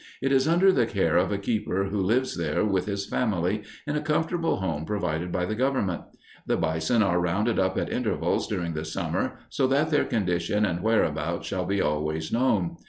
It is under the care of a keeper who lives here with his family, in a comfortable home provided by the Government. The bison are rounded up at intervals during the summer so that their condition and whereabouts shall be always known.